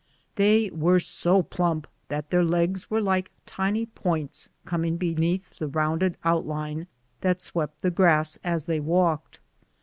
They were so plump that their legs were like tiny points coming from beneath the rounded outline that swept the grass as they walked.